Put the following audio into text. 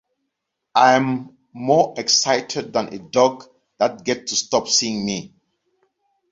I'm more excited than a dog that gets to stop seeing me!